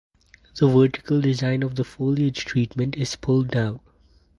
The vertical design of the foliage treatment is pulled down.